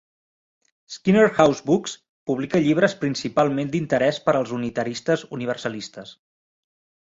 Skinner House Books publica llibres principalment d'interès per als unitaristes universalistes.